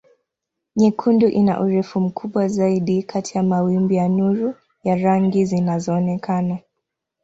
Nyekundu ina urefu mkubwa zaidi kati ya mawimbi ya nuru ya rangi zinazoonekana.